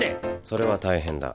それは大変だ。